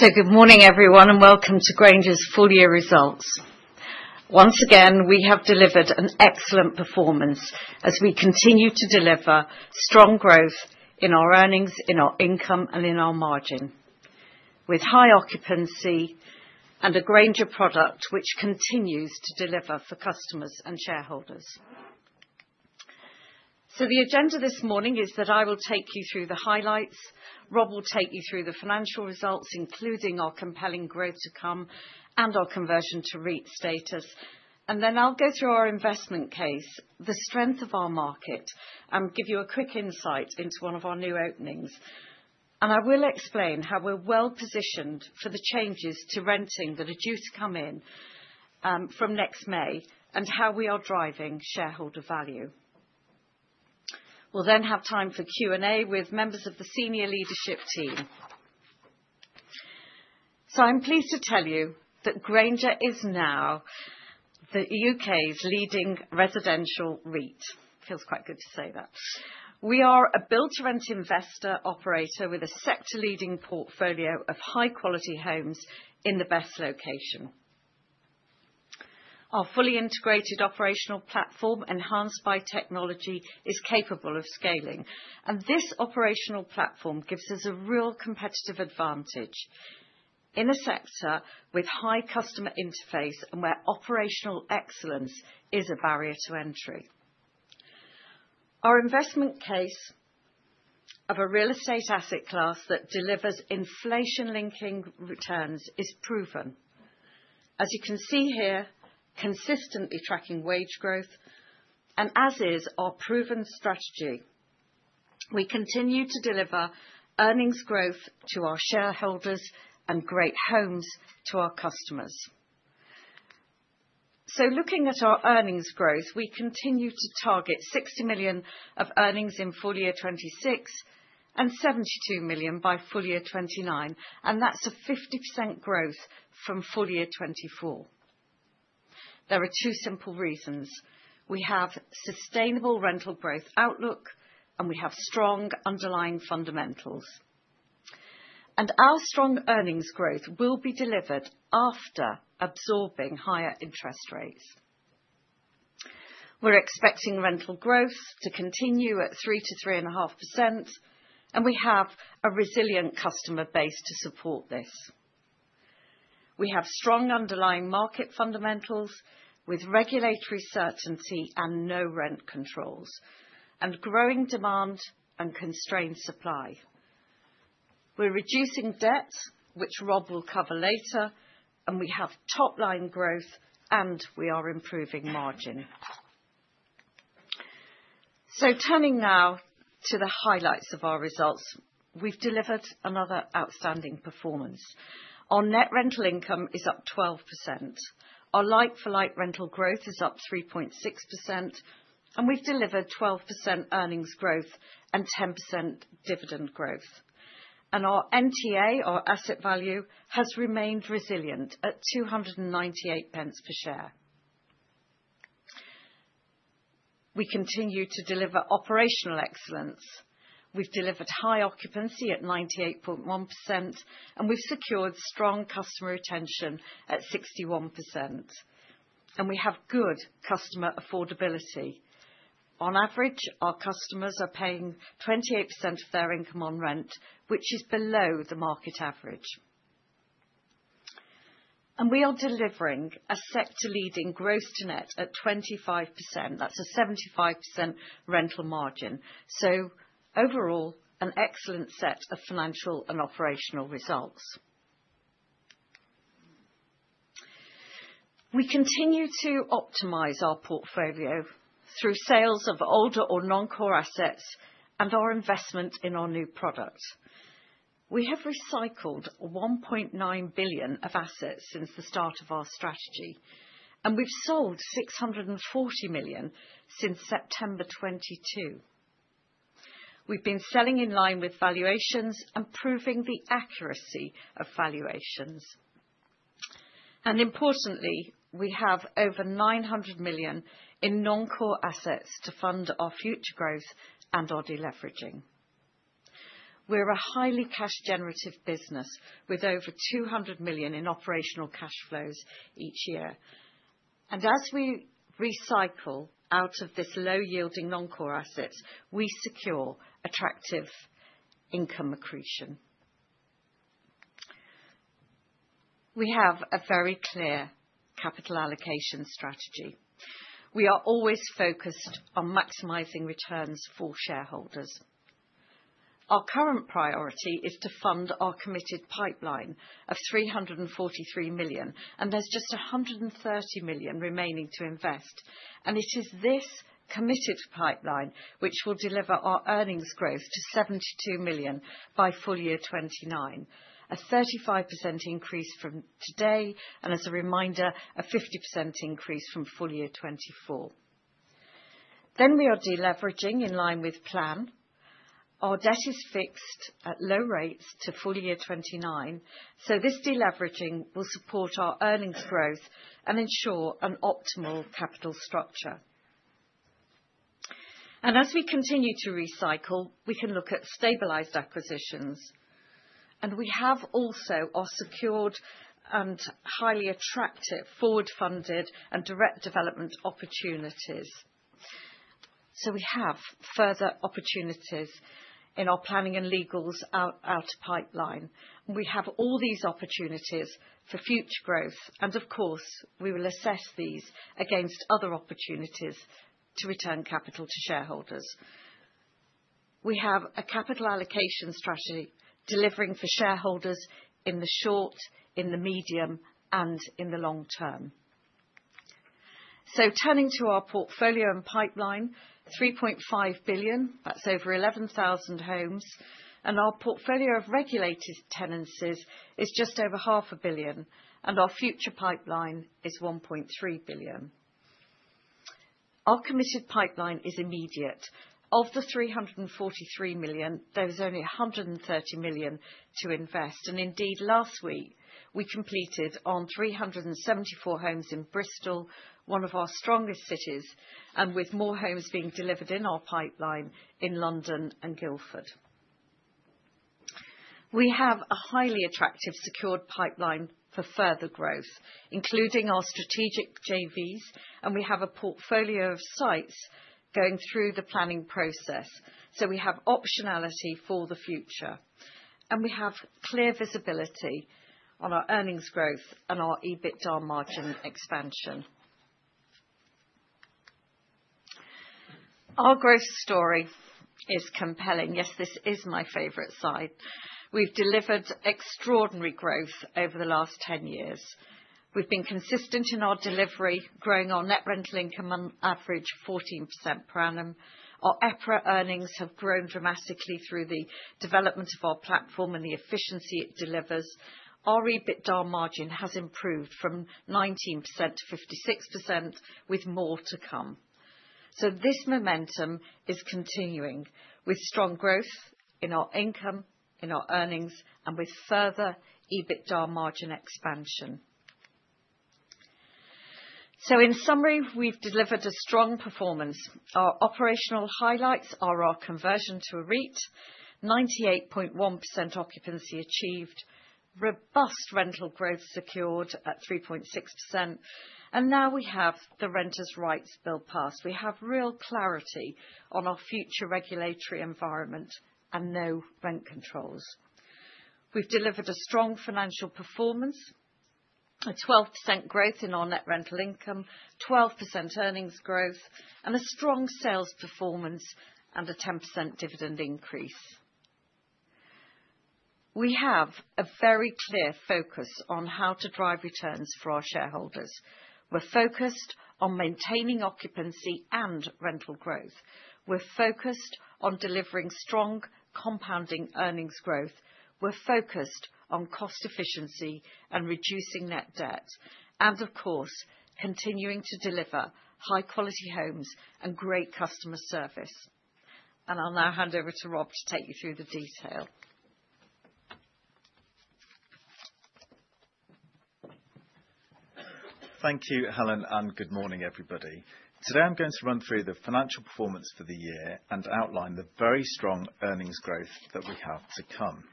Good morning, everyone, and welcome to Grainger's full year results. Once again, we have delivered an excellent performance as we continue to deliver strong growth in our earnings, in our income, and in our margin, with high occupancy and a Grainger product which continues to deliver for customers and shareholders. The agenda this morning is that I will take you through the highlights, Rob will take you through the financial results, including our compelling growth to come and our conversion to REIT status, then I'll go through our investment case, the strength of our market, and give you a quick insight into one of our new openings. I will explain how we're well positioned for the changes to renting that are due to come in from next May and how we are driving shareholder value. We'll then have time for Q&A with members of the senior leadership team. I am pleased to tell you that Grainger is now the U.K.'s leading residential REIT. Feels quite good to say that. We are a build-to-rent investor operator with a sector-leading portfolio of high-quality homes in the best location. Our fully integrated operational platform, enhanced by technology, is capable of scaling, and this operational platform gives us a real competitive advantage in a sector with high customer interface and where operational excellence is a barrier to entry. Our investment case of a real estate asset class that delivers inflation-linking returns is proven, as you can see here, consistently tracking wage growth and, as is our proven strategy. We continue to deliver earnings growth to our shareholders and great homes to our customers. Looking at our earnings growth, we continue to target 60 million of earnings in full year 2026 and 72 million by full year 2029, and that's a 50% growth from full year 2024. There are two simple reasons. We have sustainable rental growth outlook, and we have strong underlying fundamentals. Our strong earnings growth will be delivered after absorbing higher interest rates. We're expecting rental growth to continue at 3%-3.5%, and we have a resilient customer base to support this. We have strong underlying market fundamentals with regulatory certainty and no rent controls, and growing demand and constrained supply. We're reducing debt, which Rob will cover later, and we have top-line growth, and we are improving margin. Turning now to the highlights of our results, we've delivered another outstanding performance. Our net rental income is up 12%. Our like-for-like rental growth is up 3.6%, and we've delivered 12% earnings growth and 10% dividend growth. Our NTA, our asset value, has remained resilient at 0.298 per share. We continue to deliver operational excellence. We've delivered high occupancy at 98.1%, and we've secured strong customer retention at 61%. We have good customer affordability. On average, our customers are paying 28% of their income on rent, which is below the market average. We are delivering a sector-leading gross to net at 25%. That is a 75% rental margin. Overall, an excellent set of financial and operational results. We continue to optimize our portfolio through sales of older or non-core assets and our investment in our new product. We have recycled 1.9 billion of assets since the start of our strategy, and we've sold 640 million since September 2022. have been selling in line with valuations and proving the accuracy of valuations. Importantly, we have over 900 million in non-core assets to fund our future growth and our deleveraging. We are a highly cash-generative business with over 200 million in operational cash flows each year. As we recycle out of these low-yielding non-core assets, we secure attractive income accretion. We have a very clear capital allocation strategy. We are always focused on maximizing returns for shareholders. Our current priority is to fund our committed pipeline of 343 million, and there is just 130 million remaining to invest. It is this committed pipeline which will deliver our earnings growth to 72 million by full year 2029, a 35% increase from today, and as a reminder, a 50% increase from full year 2024. We are deleveraging in line with plan. Our debt is fixed at low rates to full year 2029, so this deleveraging will support our earnings growth and ensure an optimal capital structure. As we continue to recycle, we can look at stabilized acquisitions. We have also our secured and highly attractive forward-funded and direct development opportunities. We have further opportunities in our planning and legals out of pipeline. We have all these opportunities for future growth, and of course, we will assess these against other opportunities to return capital to shareholders. We have a capital allocation strategy delivering for shareholders in the short, in the medium, and in the long term. Turning to our portfolio and pipeline, 3.5 billion, that is over 11,000 homes, and our portfolio of regulated tenancies is just over 500,000,000, and our future pipeline is 1.3 billion. Our committed pipeline is immediate. Of the 343 million, there was only 130 million to invest, and indeed, last week, we completed on 374 homes in Bristol, one of our strongest cities, with more homes being delivered in our pipeline in London and Guildford. We have a highly attractive secured pipeline for further growth, including our strategic JVs, and we have a portfolio of sites going through the planning process, so we have optionality for the future. We have clear visibility on our earnings growth and our EBITDA margin expansion. Our growth story is compelling. Yes, this is my favorite side. We have delivered extraordinary growth over the last 10 years. We have been consistent in our delivery, growing our net rental income on average 14% per annum. Our EPRA earnings have grown dramatically through the development of our platform and the efficiency it delivers. Our EBITDA margin has improved from 19% to 56%, with more to come. This momentum is continuing with strong growth in our income, in our earnings, and with further EBITDA margin expansion. In summary, we've delivered a strong performance. Our operational highlights are our conversion to a REIT, 98.1% occupancy achieved, robust rental growth secured at 3.6%, and now we have the Renters' Rights Act passed. We have real clarity on our future regulatory environment and no rent controls. We've delivered a strong financial performance, a 12% growth in our net rental income, 12% earnings growth, a strong sales performance, and a 10% dividend increase. We have a very clear focus on how to drive returns for our shareholders. We're focused on maintaining occupancy and rental growth. We're focused on delivering strong compounding earnings growth. We're focused on cost efficiency and reducing net debt. Of course, continuing to deliver high-quality homes and great customer service. I will now hand over to Rob to take you through the detail. Thank you, Helen, and good morning, everybody. Today, I'm going to run through the financial performance for the year and outline the very strong earnings growth that we have to come.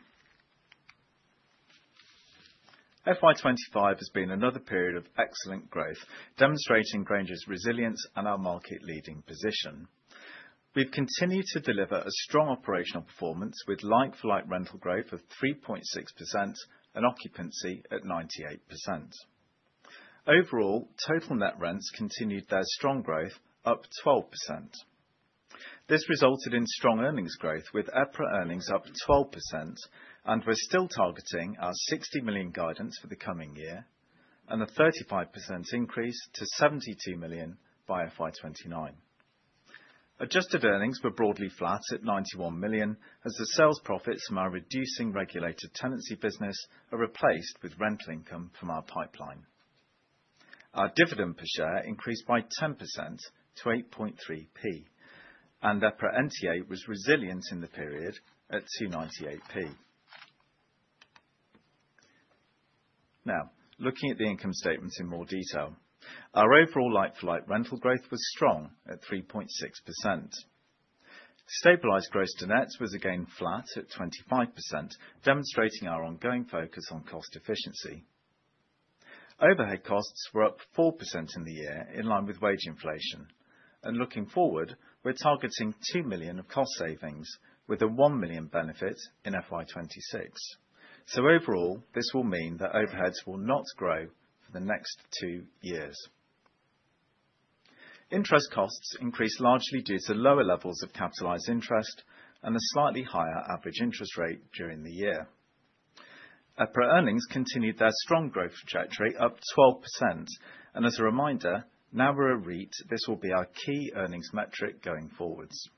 FY 2025 has been another period of excellent growth, demonstrating Grainger's resilience and our market-leading position. We've continued to deliver a strong operational performance with like-for-like rental growth of 3.6% and occupancy at 98%. Overall, total net rents continued their strong growth, up 12%. This resulted in strong earnings growth with EPRA earnings up 12%, and we're still targeting our 60 million guidance for the coming year and a 35% increase to 72 million by FY 2029. Adjusted earnings were broadly flat at 91 million, as the sales profits from our reducing regulated tenancy business are replaced with rental income from our pipeline. Our dividend per share increased by 10% to 0.83, and EPRA NTA was resilient in the period at 0.298. Now, looking at the income statements in more detail, our overall like-for-like rental growth was strong at 3.6%. Stabilized gross to net was again flat at 25%, demonstrating our ongoing focus on cost efficiency. Overhead costs were up 4% in the year in line with wage inflation. Looking forward, we're targeting 2 million of cost savings with a 1 million benefit in FY 2026. Overall, this will mean that overheads will not grow for the next two years. Interest costs increased largely due to lower levels of capitalized interest and a slightly higher average interest rate during the year. EPRA earnings continued their strong growth trajectory, up 12%. As a reminder, now we're a REIT; this will be our key earnings metric going forwards.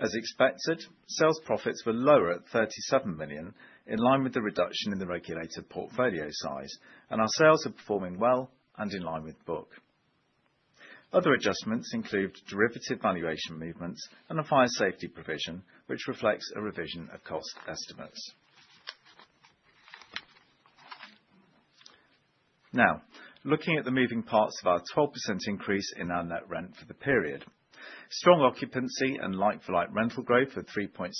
As expected, sales profits were lower at 37 million in line with the reduction in the regulated portfolio size, and our sales are performing well and in line with book. Other adjustments include derivative valuation movements and a fire safety provision, which reflects a revision of cost estimates. Now, looking at the moving parts of our 12% increase in our net rent for the period, strong occupancy and like-for-like rental growth of 3.6%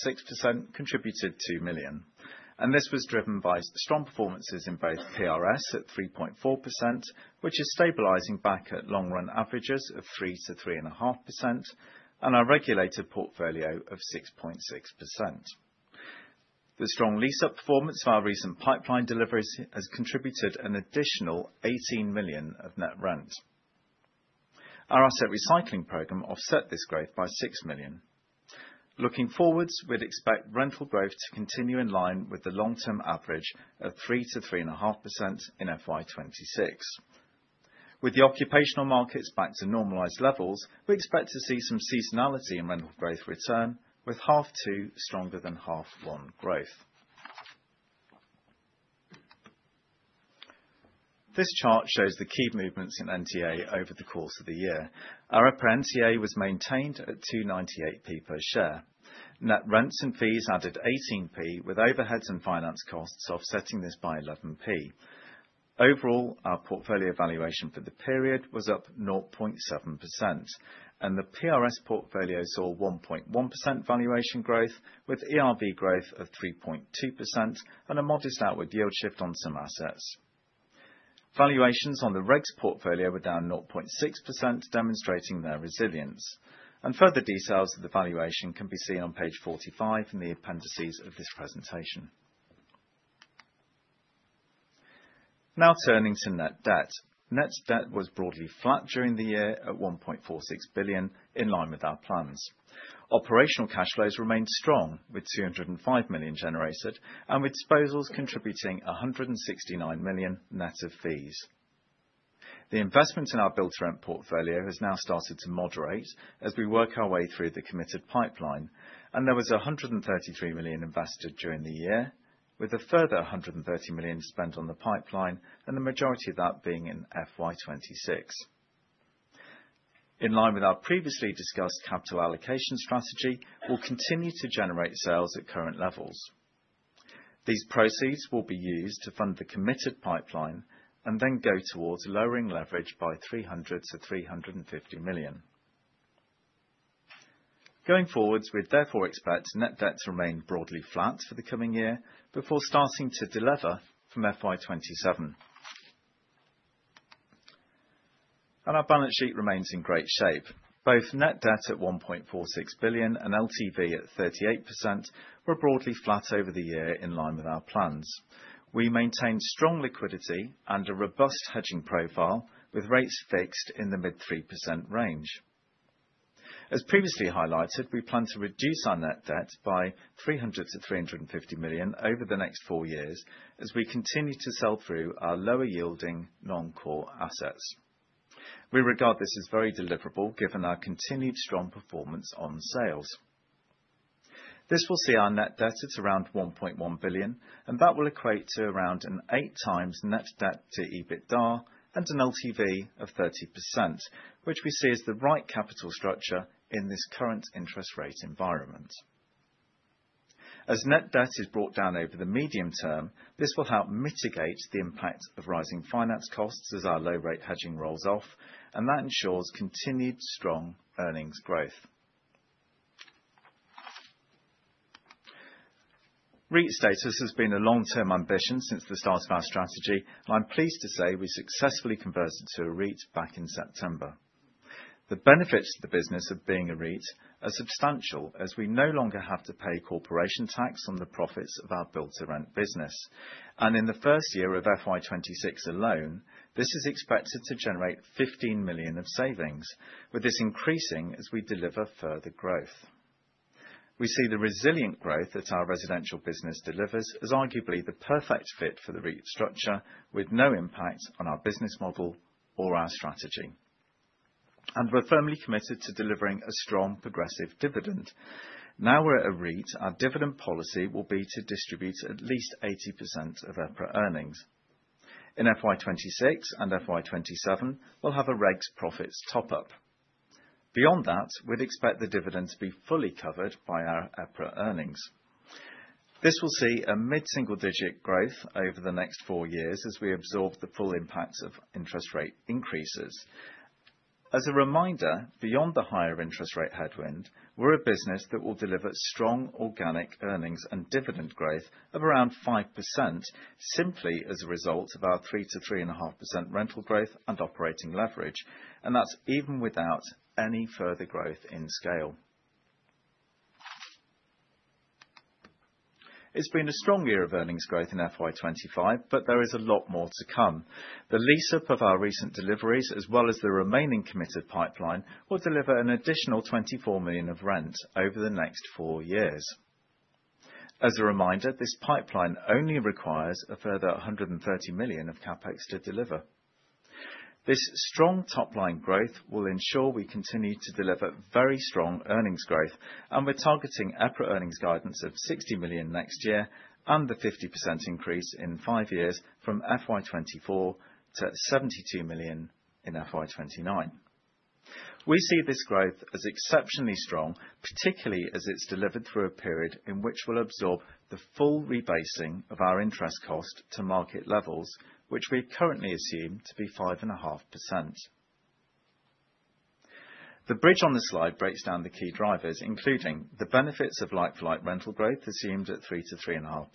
contributed 2 million. This was driven by strong performances in both PRS at 3.4%, which is stabilizing back at long-run averages of 3-3.5%, and our regulated portfolio of 6.6%. The strong lease-up performance of our recent pipeline deliveries has contributed an additional 18 million of net rent. Our asset recycling program offset this growth by 6 million. Looking forwards, we'd expect rental growth to continue in line with the long-term average of 3%-3.5% in FY 2026. With the occupational markets back to normalized levels, we expect to see some seasonality in rental growth return, with half two stronger than half one growth. This chart shows the key movements in NTA over the course of the year. Our EPRA NTA was maintained at 0.298 per share. Net rents and fees added 0.18, with overheads and finance costs offsetting this by 0.11. Overall, our portfolio valuation for the period was up 0.7%, and the PRS portfolio saw 1.1% valuation growth, with ERV growth of 3.2% and a modest outward yield shift on some assets. Valuations on the regs portfolio were down 0.6%, demonstrating their resilience. Further details of the valuation can be seen on page 45 in the appendices of this presentation. Now turning to net debt. Net debt was broadly flat during the year at 1.46 billion, in line with our plans. Operational cash flows remained strong, with 205 million generated, and with disposals contributing 169 million net of fees. The investment in our build-to-rent portfolio has now started to moderate as we work our way through the committed pipeline, and there was 133 million invested during the year, with a further 130 million spent on the pipeline, and the majority of that being in FY 2026. In line with our previously discussed capital allocation strategy, we'll continue to generate sales at current levels. These proceeds will be used to fund the committed pipeline and then go towards lowering leverage by 300-350 million. Going forwards, we'd therefore expect net debt to remain broadly flat for the coming year before starting to deliver from FY 2027. Our balance sheet remains in great shape. Both net debt at 1.46 billion and LTV at 38% were broadly flat over the year in line with our plans. We maintain strong liquidity and a robust hedging profile with rates fixed in the mid 3% range. As previously highlighted, we plan to reduce our net debt by 300-350 million over the next four years as we continue to sell through our lower-yielding non-core assets. We regard this as very deliverable given our continued strong performance on sales. This will see our net debt at around 1.1 billion, and that will equate to around an eight times net debt to EBITDA and an LTV of 30%, which we see as the right capital structure in this current interest rate environment. As net debt is brought down over the medium term, this will help mitigate the impact of rising finance costs as our low-rate hedging rolls off, and that ensures continued strong earnings growth. REIT status has been a long-term ambition since the start of our strategy, and I'm pleased to say we successfully converted to a REIT back in September. The benefits to the business of being a REIT are substantial as we no longer have to pay corporation tax on the profits of our build-to-rent business. In the first year of FY 2026 alone, this is expected to generate 15 million of savings, with this increasing as we deliver further growth. We see the resilient growth that our residential business delivers as arguably the perfect fit for the REIT structure, with no impact on our business model or our strategy. We are firmly committed to delivering a strong progressive dividend. Now we are at a REIT, our dividend policy will be to distribute at least 80% of EPRA earnings. In FY 2026 and FY 2027, we will have a regs profits top-up. Beyond that, we would expect the dividend to be fully covered by our EPRA earnings. This will see a mid-single-digit growth over the next four years as we absorb the full impacts of interest rate increases. As a reminder, beyond the higher interest rate headwind, we are a business that will deliver strong organic earnings and dividend growth of around 5% simply as a result of our 3%-3.5% rental growth and operating leverage, and that is even without any further growth in scale. It has been a strong year of earnings growth in FY 2025, but there is a lot more to come. The lease-up of our recent deliveries, as well as the remaining committed pipeline, will deliver an additional 24 million of rent over the next four years. As a reminder, this pipeline only requires a further 130 million of CapEx to deliver. This strong top-line growth will ensure we continue to deliver very strong earnings growth, and we're targeting EPRA earnings guidance of 60 million next year and the 50% increase in five years from FY 2024 to 72 million in FY 2029. We see this growth as exceptionally strong, particularly as it's delivered through a period in which we'll absorb the full rebasing of our interest cost to market levels, which we currently assume to be 5.5%. The bridge on the slide breaks down the key drivers, including the benefits of like-for-like rental growth assumed at 3%-3.5%,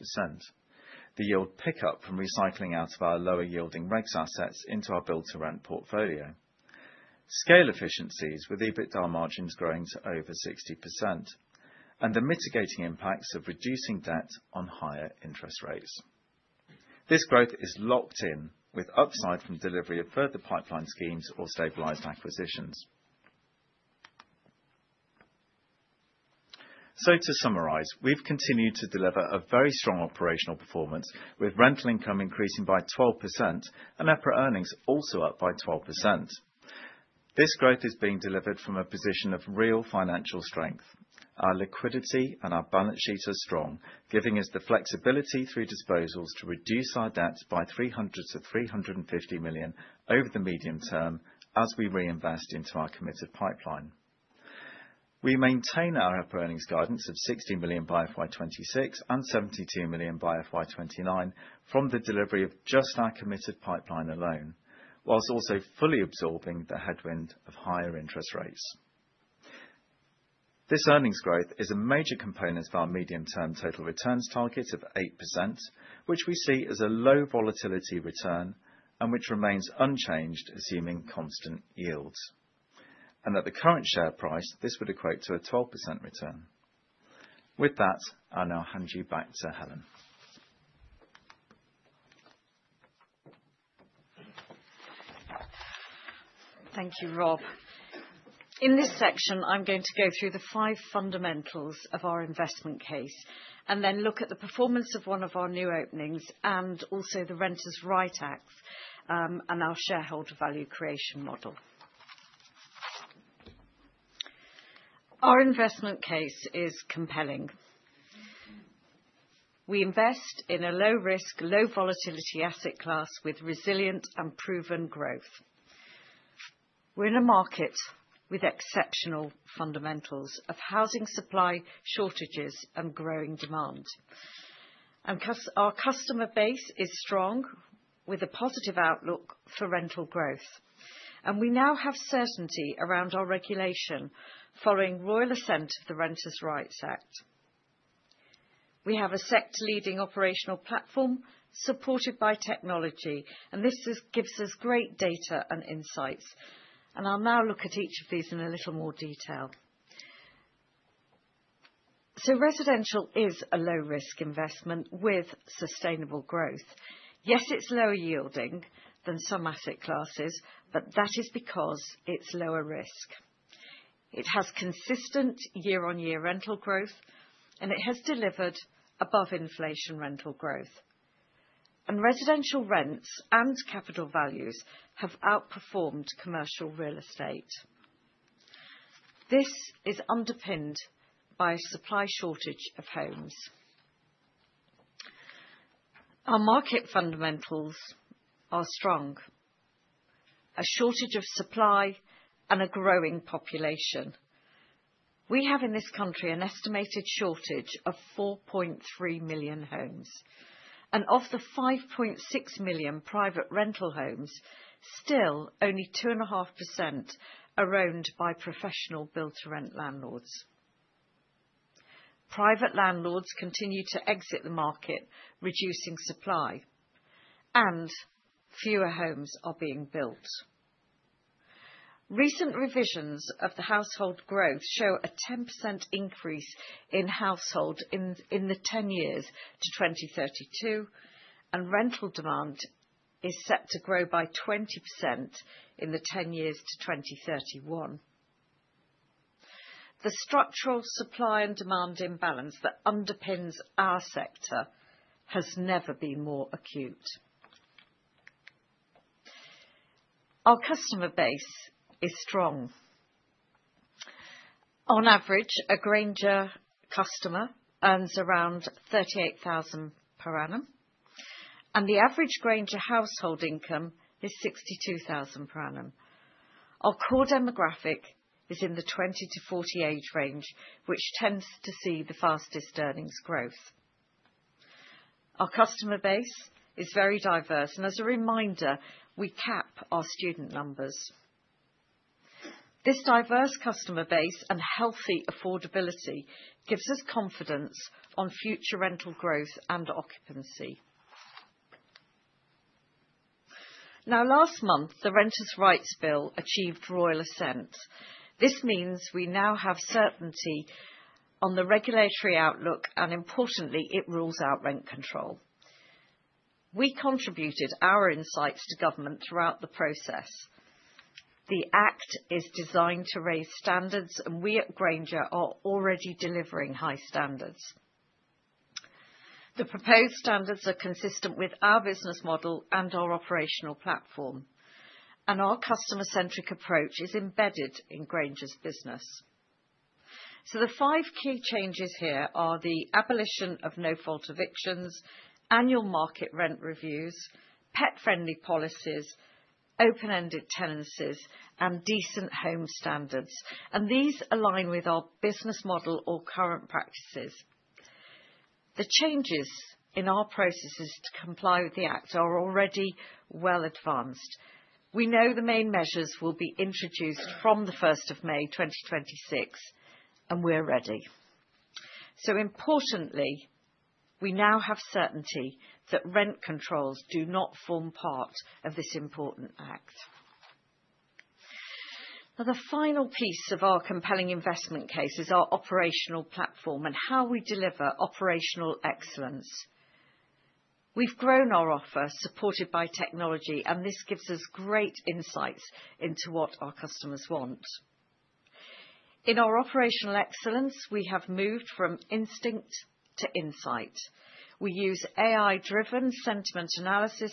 the yield pickup from recycling out of our lower-yielding regs assets into our build-to-rent portfolio, scale efficiencies with EBITDA margins growing to over 60%, and the mitigating impacts of reducing debt on higher interest rates. This growth is locked in with upside from delivery of further pipeline schemes or stabilized acquisitions. To summarize, we've continued to deliver a very strong operational performance, with rental income increasing by 12% and EPRA earnings also up by 12%. This growth is being delivered from a position of real financial strength. Our liquidity and our balance sheet are strong, giving us the flexibility through disposals to reduce our debt by 300-350 million over the medium term as we reinvest into our committed pipeline. We maintain our EPRA earnings guidance of 60 million by FY 2026 and 72 million by FY 2029 from the delivery of just our committed pipeline alone, whilst also fully absorbing the headwind of higher interest rates. This earnings growth is a major component of our medium-term total returns target of 8%, which we see as a low volatility return and which remains unchanged assuming constant yields. At the current share price, this would equate to a 12% return. With that, I'll now hand you back to Helen. Thank you, Rob. In this section, I'm going to go through the five fundamentals of our investment case and then look at the performance of one of our new openings and also the Renters' Rights Act and our shareholder value creation model. Our investment case is compelling. We invest in a low-risk, low-volatility asset class with resilient and proven growth. We're in a market with exceptional fundamentals of housing supply shortages and growing demand. Our customer base is strong with a positive outlook for rental growth. We now have certainty around our regulation following royal assent of the Renters' Rights Act. We have a sector-leading operational platform supported by technology, and this gives us great data and insights. I'll now look at each of these in a little more detail. Residential is a low-risk investment with sustainable growth. Yes, it's lower yielding than some asset classes, but that is because it's lower risk. It has consistent year-on-year rental growth, and it has delivered above-inflation rental growth. Residential rents and capital values have outperformed commercial real estate. This is underpinned by a supply shortage of homes. Our market fundamentals are strong: a shortage of supply and a growing population. We have in this country an estimated shortage of 4.3 million homes. Of the 5.6 million private rental homes, still only 2.5% are owned by professional build-to-rent landlords. Private landlords continue to exit the market, reducing supply, and fewer homes are being built. Recent revisions of the household growth show a 10% increase in households in the 10 years to 2032, and rental demand is set to grow by 20% in the 10 years to 2031. The structural supply and demand imbalance that underpins our sector has never been more acute. Our customer base is strong. On average, a Grainger customer earns around 38,000 per annum, and the average Grainger household income is 62,000 per annum. Our core demographic is in the 20-40 age range, which tends to see the fastest earnings growth. Our customer base is very diverse, and as a reminder, we cap our student numbers. This diverse customer base and healthy affordability gives us confidence on future rental growth and occupancy. Now, last month, the Renters' Rights Act achieved royal assent. This means we now have certainty on the regulatory outlook, and importantly, it rules out rent control. We contributed our insights to government throughout the process. The act is designed to raise standards, and we at Grainger are already delivering high standards. The proposed standards are consistent with our business model and our operational platform, and our customer-centric approach is embedded in Grainger's business. The five key changes here are the abolition of no-fault evictions, annual market rent reviews, pet-friendly policies, open-ended tenancies, and decent home standards. These align with our business model or current practices. The changes in our processes to comply with the act are already well advanced. We know the main measures will be introduced from the 1st of May 2026, and we're ready. Importantly, we now have certainty that rent controls do not form part of this important act. The final piece of our compelling investment case is our operational platform and how we deliver operational excellence. We've grown our offer supported by technology, and this gives us great insights into what our customers want. In our operational excellence, we have moved from instinct to insight. We use AI-driven sentiment analysis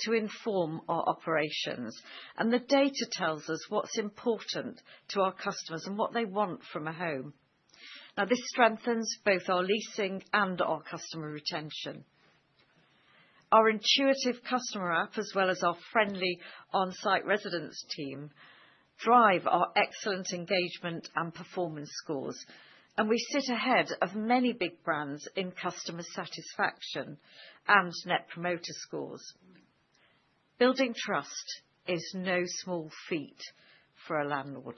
to inform our operations, and the data tells us what's important to our customers and what they want from a home. Now, this strengthens both our leasing and our customer retention. Our intuitive customer app, as well as our friendly on-site residents' team, drive our excellent engagement and performance scores, and we sit ahead of many big brands in customer satisfaction and net promoter scores. Building trust is no small feat for a landlord.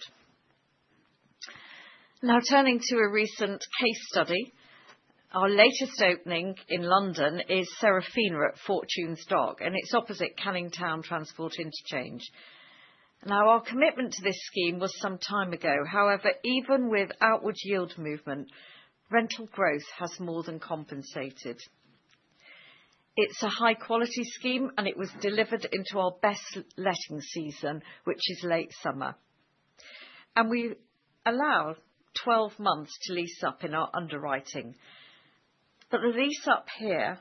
Now, turning to a recent case study, our latest opening in London is Seraphina at Fortune's Dock, and it's opposite Canning Town Transport Interchange. Now, our commitment to this scheme was some time ago. However, even with outward yield movement, rental growth has more than compensated. It's a high-quality scheme, and it was delivered into our best letting season, which is late summer. We allow 12 months to lease up in our underwriting. The lease up here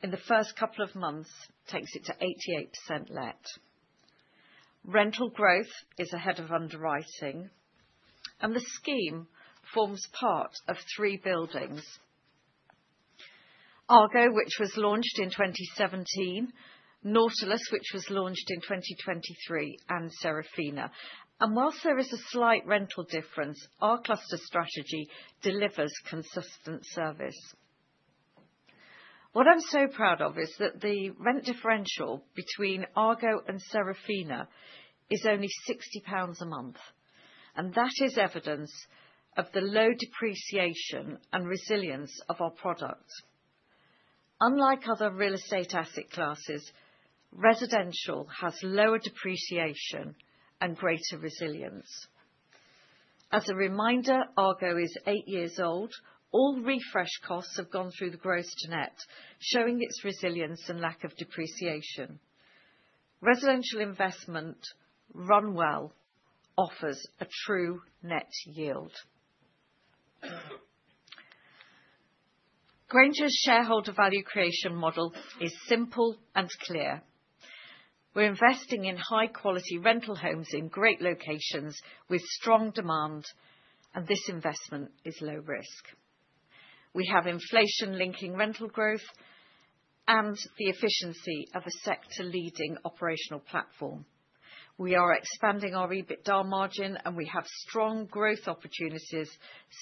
in the first couple of months takes it to 88% net. Rental growth is ahead of underwriting, and the scheme forms part of three buildings: Argo, which was launched in 2017, Nautilus, which was launched in 2023, and Seraphina. Whilst there is a slight rental difference, our cluster strategy delivers consistent service. What I'm so proud of is that the rent differential between Argo and Seraphina is only 60 pounds a month, and that is evidence of the low depreciation and resilience of our product. Unlike other real estate asset classes, residential has lower depreciation and greater resilience. As a reminder, Argo is eight years old. All refresh costs have gone through the gross to net, showing its resilience and lack of depreciation. Residential investment run well offers a true net yield. Grainger's shareholder value creation model is simple and clear. We're investing in high-quality rental homes in great locations with strong demand, and this investment is low risk. We have inflation-linking rental growth and the efficiency of a sector-leading operational platform. We are expanding our EBITDA margin, and we have strong growth opportunities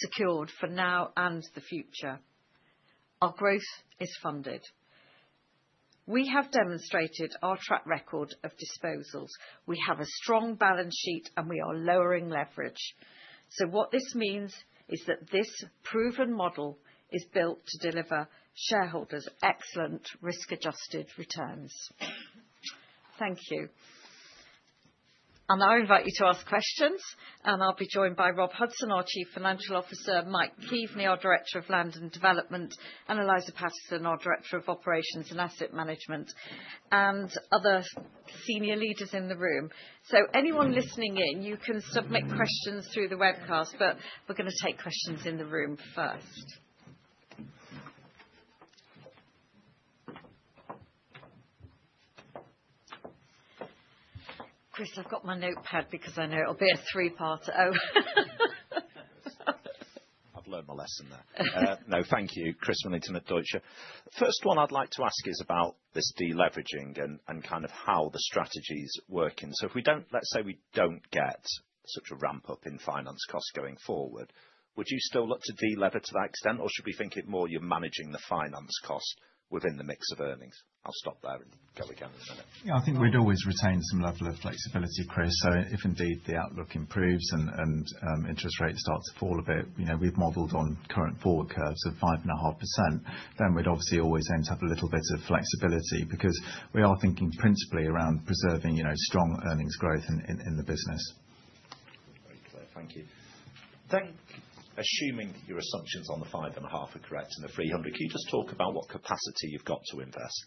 secured for now and the future. Our growth is funded. We have demonstrated our track record of disposals. We have a strong balance sheet, and we are lowering leverage. What this means is that this proven model is built to deliver shareholders' excellent risk-adjusted returns. Thank you. I invite you to ask questions, and I'll be joined by Rob Hudson, our Chief Financial Officer, Mike Keaveny, our Director of Land and Development, and Eliza Pattinson, our Director of Operations and Asset Management, and other senior leaders in the room. Anyone listening in, you can submit questions through the webcast, but we're going to take questions in the room first. Chris, I've got my notepad because I know it'll be a three-part. I've learned my lesson there. No, thank you, Chris Millington at Deutsche. First one I'd like to ask is about this deleveraging and kind of how the strategy's working. If we don't, let's say we don't get such a ramp-up in finance costs going forward, would you still look to delever to that extent, or should we think it more you're managing the finance cost within the mix of earnings? I'll stop there and go again in a minute. Yeah, I think we'd always retain some level of flexibility, Chris. If indeed the outlook improves and interest rates start to fall a bit, we've modeled on current forward curves of 5.5%, then we'd obviously always end up a little bit of flexibility because we are thinking principally around preserving strong earnings growth in the business. Very clear. Thank you. Assuming your assumptions on the 5.5% are correct and the 300, can you just talk about what capacity you've got to invest?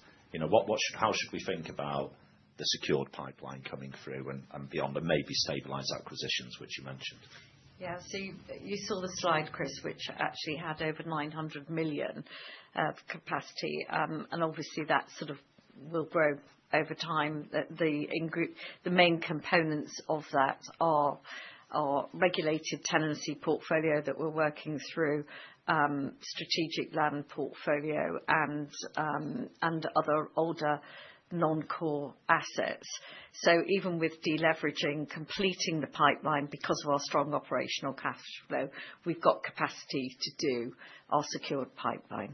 How should we think about the secured pipeline coming through and beyond and maybe stabilized acquisitions, which you mentioned? Yeah, so you saw the slide, Chris, which actually had over 900 million capacity, and obviously that sort of will grow over time. The main components of that are our regulated tenancy portfolio that we're working through, strategic land portfolio, and other older non-core assets. Even with deleveraging, completing the pipeline because of our strong operational cash flow, we've got capacity to do our secured pipeline.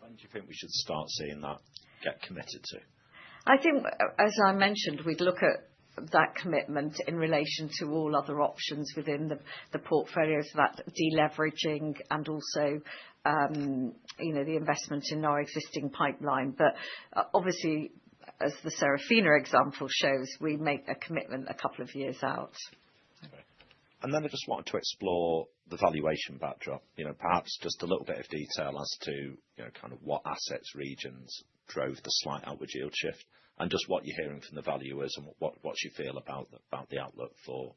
When do you think we should start seeing that get committed to? I think, as I mentioned, we'd look at that commitment in relation to all other options within the portfolios, that deleveraging and also the investment in our existing pipeline. Obviously, as the Seraphina example shows, we make a commitment a couple of years out. I just wanted to explore the valuation backdrop, perhaps just a little bit of detail as to kind of what assets, regions drove the slight outward yield shift and just what you're hearing from the valuers and what you feel about the outlook for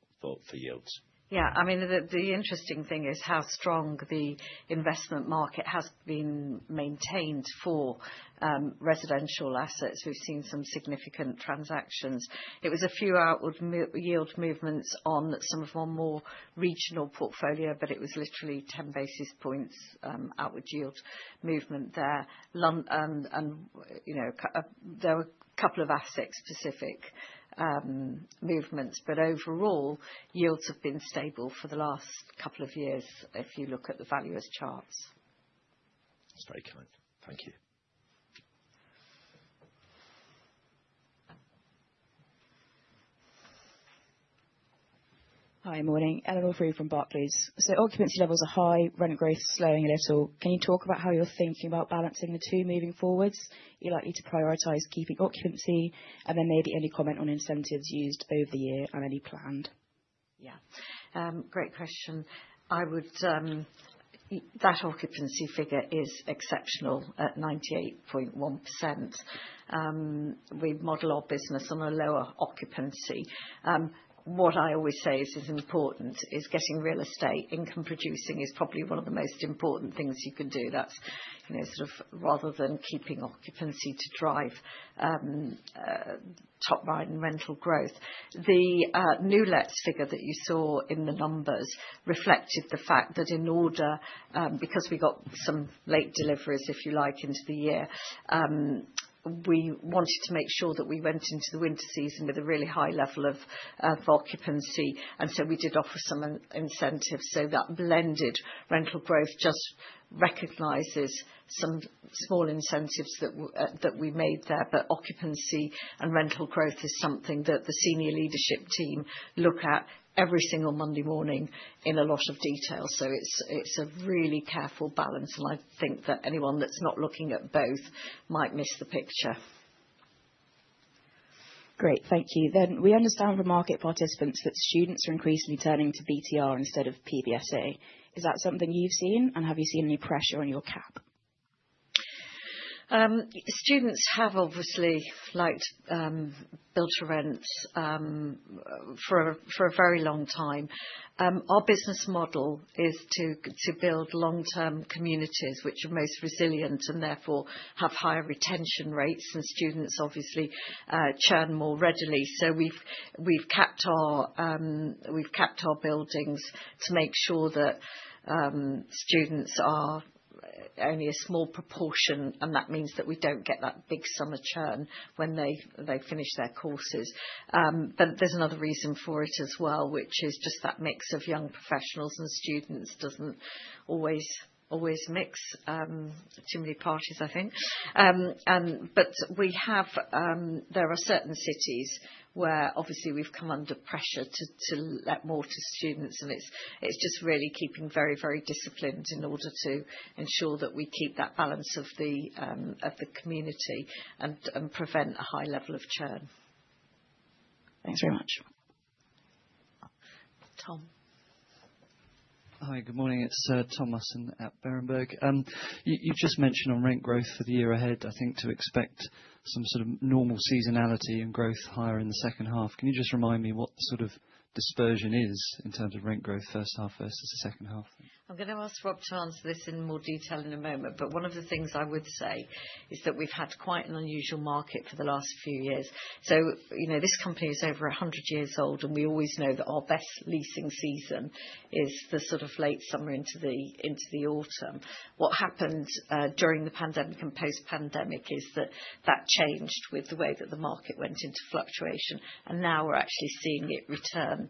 yields. Yeah, I mean, the interesting thing is how strong the investment market has been maintained for residential assets. We've seen some significant transactions. There was a few outward yield movements on some of our more regional portfolio, but it was literally 10 basis points outward yield movement there. There were a couple of asset-specific movements, but overall, yields have been stable for the last couple of years if you look at the valuers' charts. That's very kind. Thank you. Hi, morning. Eleanor Frew from Barclays. Occupancy levels are high, rent growth slowing a little. Can you talk about how you're thinking about balancing the two moving forwards? You're likely to prioritize keeping occupancy and then maybe any comment on incentives used over the year and any planned? Yeah, great question. That occupancy figure is exceptional at 98.1%. We model our business on a lower occupancy. What I always say is as important as getting real estate, income-producing is probably one of the most important things you can do. That is sort of rather than keeping occupancy to drive top line rental growth. The new lets figure that you saw in the numbers reflected the fact that in order, because we got some late deliveries, if you like, into the year, we wanted to make sure that we went into the winter season with a really high level of occupancy. We did offer some incentives. That blended rental growth just recognizes some small incentives that we made there. Occupancy and rental growth is something that the senior leadership team look at every single Monday morning in a lot of detail. It's a really careful balance, and I think that anyone that's not looking at both might miss the picture. Great, thank you. We understand from market participants that students are increasingly turning to BTR instead of PBSA. Is that something you've seen, and have you seen any pressure on your cap? Students have obviously liked build to rent for a very long time. Our business model is to build long-term communities which are most resilient and therefore have higher retention rates, and students obviously churn more readily. We have capped our buildings to make sure that students are only a small proportion, and that means that we do not get that big summer churn when they finish their courses. There is another reason for it as well, which is just that mix of young professionals and students does not always mix, too many parties, I think. There are certain cities where obviously we have come under pressure to let more to students, and it is just really keeping very, very disciplined in order to ensure that we keep that balance of the community and prevent a high level of churn. Thanks very much. Tom. Hi, good morning. It's Tom Musson at Berenberg. You just mentioned on rent growth for the year ahead, I think to expect some sort of normal seasonality and growth higher in the second half. Can you just remind me what sort of dispersion is in terms of rent growth first half versus the second half? I'm going to ask Rob to answer this in more detail in a moment, but one of the things I would say is that we've had quite an unusual market for the last few years. This company is over 100 years old, and we always know that our best leasing season is the sort of late summer into the autumn. What happened during the pandemic and post-pandemic is that that changed with the way that the market went into fluctuation, and now we're actually seeing it return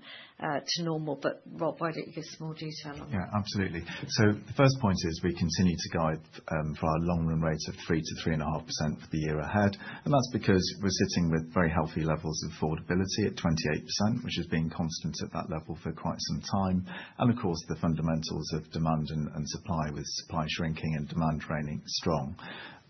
to normal. Rob, why don't you give us more detail on that? Yeah, absolutely. The first point is we continue to guide for our long-run rates of 3%-3.5% for the year ahead, and that's because we're sitting with very healthy levels of affordability at 28%, which has been constant at that level for quite some time. Of course, the fundamentals of demand and supply with supply shrinking and demand remaining strong.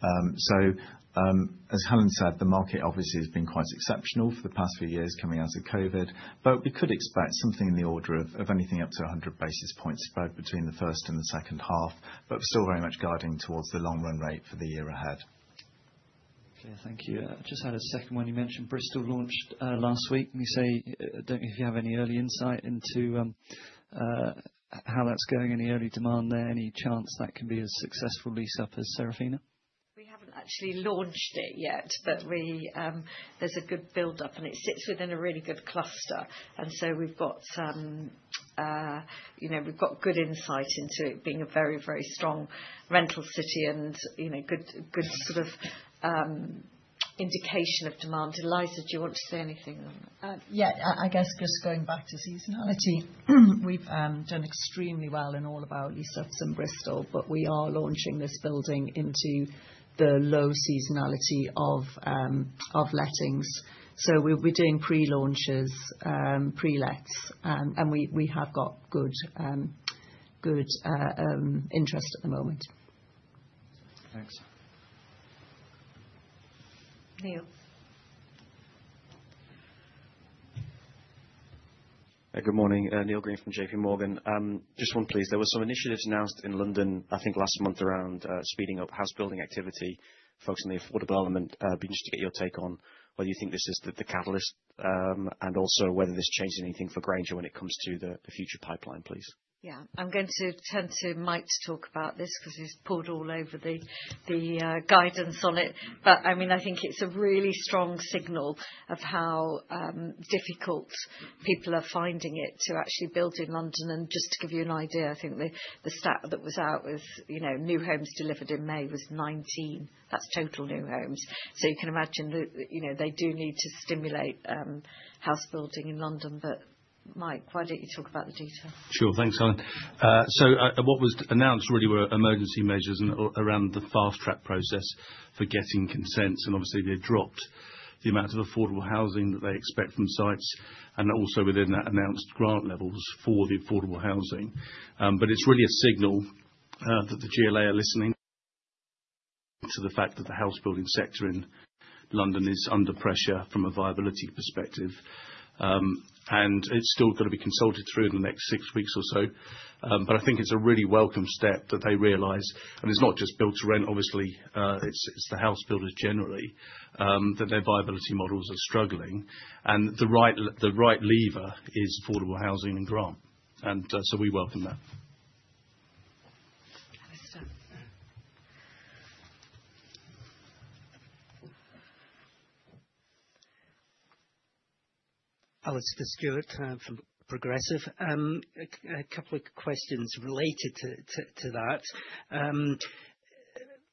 As Helen said, the market obviously has been quite exceptional for the past few years coming out of COVID, but we could expect something in the order of anything up to 100 basis points spread between the first and the second half, but we're still very much guiding towards the long-run rate for the year ahead. Okay, thank you. I just had a second one you mentioned. Bristol launched last week. Can you say, if you have any early insight into how that's going, any early demand there, any chance that can be a successful lease up as Seraphina? We have not actually launched it yet, but there is a good buildup, and it sits within a really good cluster. We have got good insight into it being a very, very strong rental city and good sort of indication of demand. Eliza, do you want to say anything on that? Yeah, I guess just going back to seasonality, we've done extremely well in all of our lease ups in Bristol, but we are launching this building into the low seasonality of lettings. We will be doing pre-launches, pre-lets, and we have got good interest at the moment. Thanks. Neil. Good morning. Neil Green from JPMorgan. Just one, please. There were some initiatives announced in London, I think last month, around speeding up house building activity. Focus in the affordable element, just to get your take on whether you think this is the catalyst and also whether this changes anything for Grainger when it comes to the future pipeline, please. Yeah, I'm going to turn to Mike to talk about this because he's pulled all over the guidance on it. I mean, I think it's a really strong signal of how difficult people are finding it to actually build in London. Just to give you an idea, I think the stat that was out was new homes delivered in May was 19. That's total new homes. You can imagine that they do need to stimulate house building in London. Mike, why don't you talk about the detail? Sure, thanks, Helen. What was announced really were emergency measures around the fast track process for getting consents, and obviously, they have dropped the amount of affordable housing that they expect from sites and also within that announced grant levels for the affordable housing. It is really a signal that the GLA are listening to the fact that the house building sector in London is under pressure from a viability perspective. It still has to be consulted through in the next six weeks or so. I think it is a really welcome step that they realize, and it is not just build to rent, obviously, it is the house builders generally, that their viability models are struggling. The right lever is affordable housing and grant. We welcome that. Alastair Stewart from Progressive. A couple of questions related to that.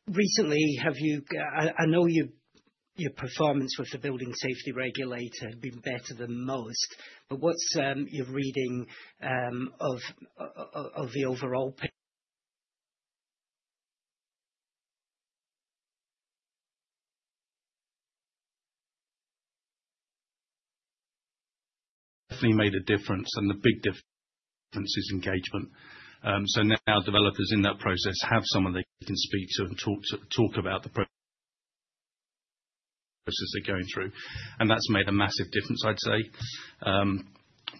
Recently, have you—I know your performance with the building safety regulator had been better than most, but what's your reading of the overall? Definitely made a difference, and the big difference is engagement. Now developers in that process have someone they can speak to and talk about the process they're going through. That's made a massive difference, I'd say.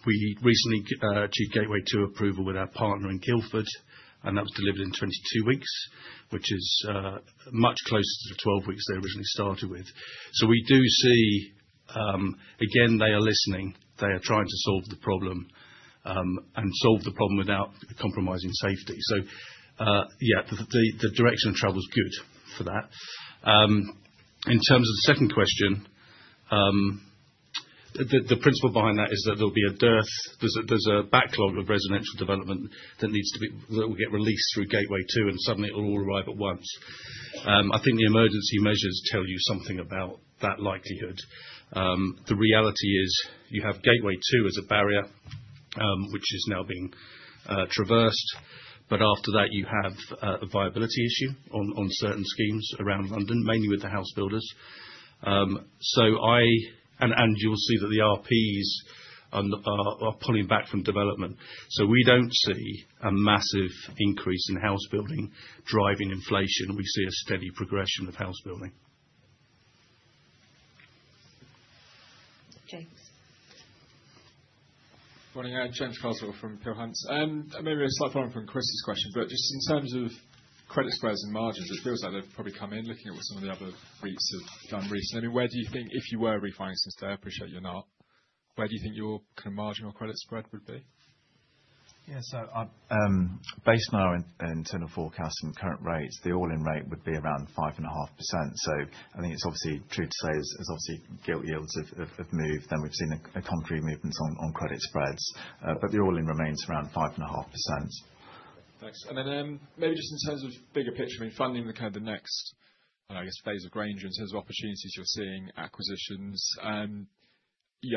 We recently achieved Gateway 2 approval with our partner in Guildford, and that was delivered in 22 weeks, which is much closer to the 12 weeks they originally started with. We do see, again, they are listening. They are trying to solve the problem and solve the problem without compromising safety. Yeah, the direction of travel is good for that. In terms of the second question, the principle behind that is that there'll be a dearth, there's a backlog of residential development that needs to be—that will get released through Gateway 2, and suddenly it'll all arrive at once. I think the emergency measures tell you something about that likelihood. The reality is you have Gateway 2 as a barrier, which is now being traversed. After that, you have a viability issue on certain schemes around London, mainly with the house builders. You'll see that the RPs are pulling back from development. We don't see a massive increase in house building driving inflation. We see a steady progression of house building. James. Morning, James Carswell from Peel Hunt. Maybe a slight follow-on from Chris's question, but just in terms of credit spreads and margins, it feels like they've probably come in looking at what some of the other REITs have done recently. I mean, where do you think—if you were refinancing today, I appreciate you're not—where do you think your kind of margin or credit spread would be? Yeah, so based on our internal forecasts and current rates, the all-in rate would be around 5.5%. I think it's obviously true to say as obviously gilt yields have moved, then we've seen a contrary movement on credit spreads, but the all-in remains around 5.5%. Thanks. Maybe just in terms of bigger picture, I mean, funding the kind of the next, I guess, phase of Grainger in terms of opportunities you're seeing, acquisitions,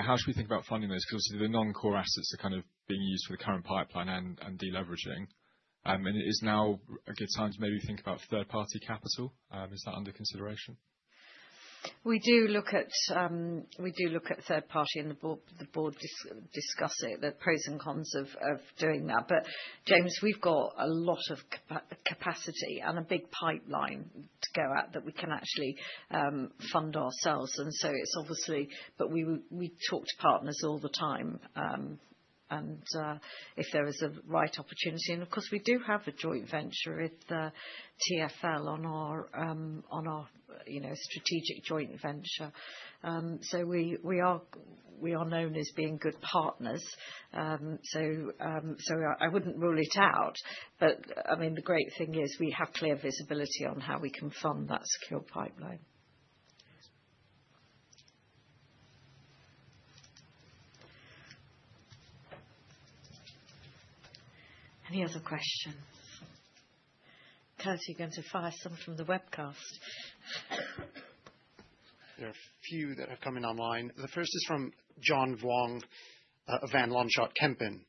how should we think about funding those? Because obviously, the non-core assets are kind of being used for the current pipeline and deleveraging. Is now a good time to maybe think about third-party capital? Is that under consideration? We do look at third-party, and the board discusses the pros and cons of doing that. James, we've got a lot of capacity and a big pipeline to go at that we can actually fund ourselves. It is obviously—but we talk to partners all the time if there is a right opportunity. Of course, we do have a joint venture with TfL on our strategic joint venture. We are known as being good partners. I would not rule it out. I mean, the great thing is we have clear visibility on how we can fund that secure pipeline. Thanks. Any other questions? Kurt, you're going to fire some from the webcast. There are a few that have come in online. The first is from John Vuong of Van Lanschot Kempen.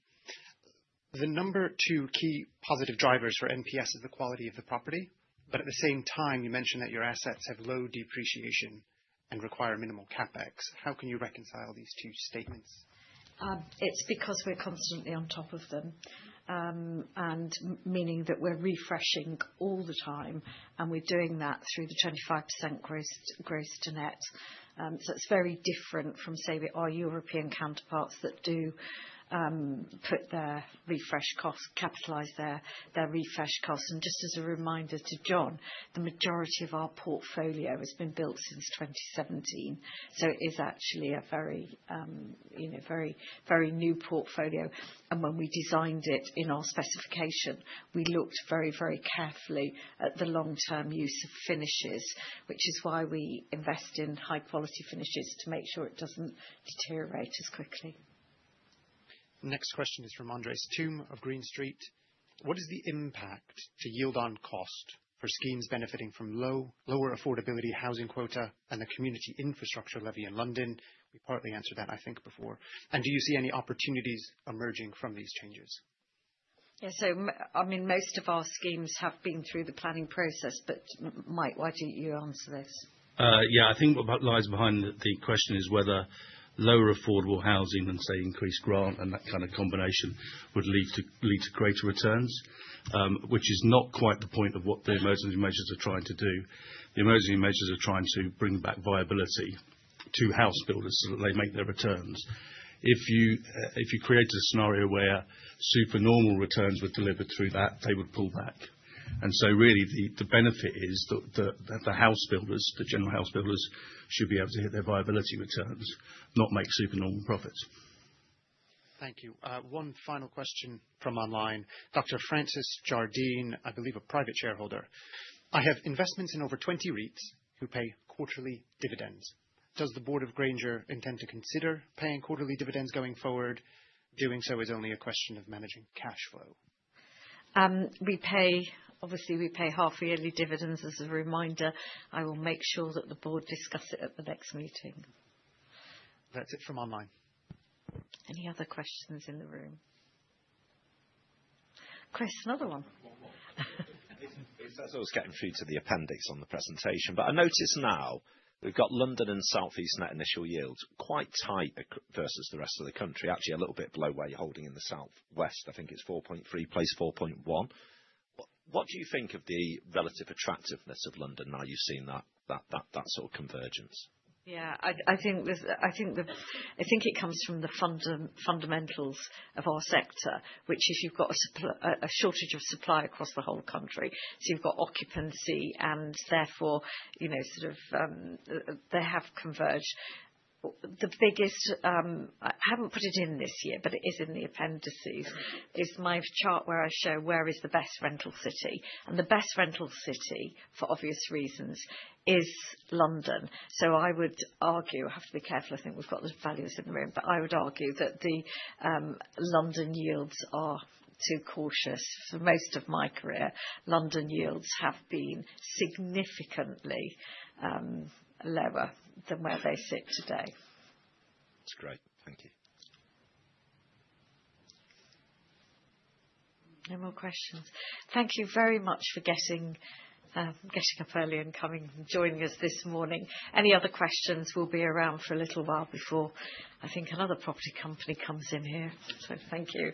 The number two key positive drivers for NPS is the quality of the property, but at the same time, you mentioned that your assets have low depreciation and require minimal CapEx. How can you reconcile these two statements? It's because we're constantly on top of them, meaning that we're refreshing all the time, and we're doing that through the 25% gross to net. It is very different from, say, our European counterparts that do put their refresh costs, capitalize their refresh costs. Just as a reminder to John, the majority of our portfolio has been built since 2017. It is actually a very new portfolio. When we designed it in our specification, we looked very, very carefully at the long-term use of finishes, which is why we invest in high-quality finishes to make sure it doesn't deteriorate as quickly. Next question is from Andres Toome of Green Street. What is the impact to yield on cost for schemes benefiting from lower affordability housing quota and the Community Infrastructure Levy in London? We partly answered that, I think, before. Do you see any opportunities emerging from these changes? Yeah, so I mean, most of our schemes have been through the planning process, but Mike, why don't you answer this? Yeah, I think what lies behind the question is whether lower affordable housing and, say, increased grant and that kind of combination would lead to greater returns, which is not quite the point of what the emergency measures are trying to do. The emergency measures are trying to bring back viability to house builders so that they make their returns. If you created a scenario where supernormal returns were delivered through that, they would pull back. Really, the benefit is that the house builders, the general house builders, should be able to hit their viability returns, not make supernormal profits. Thank you. One final question from online. Dr. Francis Jardine, I believe a private shareholder. I have investments in over 20 REITs who pay quarterly dividends. Does the board of Grainger intend to consider paying quarterly dividends going forward? Doing so is only a question of managing cash flow. Obviously, we pay half-yearly dividends. As a reminder, I will make sure that the board discuss it at the next meeting. That's it from online. Any other questions in the room? Chris, another one? I think that's what was getting through to the appendix on the presentation. I notice now we've got London and Southeast net initial yields quite tight versus the rest of the country, actually a little bit below where you're holding in the Southwest. I think it's 4.3, close to 4.1. What do you think of the relative attractiveness of London now you've seen that sort of convergence? Yeah, I think it comes from the fundamentals of our sector, which is you've got a shortage of supply across the whole country. You have got occupancy and therefore sort of they have converged. The biggest—I have not put it in this year, but it is in the appendices—is my chart where I show where is the best rental city. The best rental city, for obvious reasons, is London. I would argue—I have to be careful, I think we have got the values in the room—but I would argue that the London yields are too cautious. For most of my career, London yields have been significantly lower than where they sit today. That's great. Thank you. No more questions. Thank you very much for getting up early and coming and joining us this morning. Any other questions? We will be around for a little while before I think another property company comes in here. Thank you.